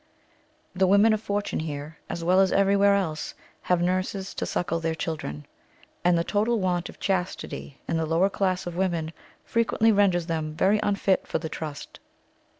The women of fortune here, as well as everywhere else, have nurses to suckle their children; and the total want of chastity in the lower class of women frequently renders them very unfit for the trust.